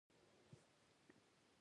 ما ورته وویل: تاسې به چیرې یاست؟